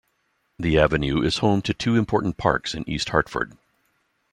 The Avenue is home to two important parks in East Hartford.